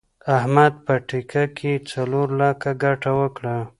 احمد په ټېکه کې څلور لکه ګټه وکړه.